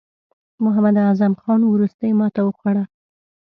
محمد اعظم خان وروستۍ ماته وخوړه.